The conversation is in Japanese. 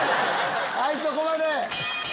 はいそこまで！